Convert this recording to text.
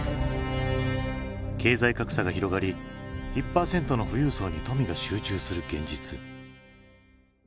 経済格差が広がり１％の富裕層に富が集中する現実。